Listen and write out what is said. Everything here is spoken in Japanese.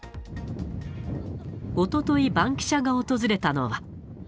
おととい、バンキシャが訪れたのは。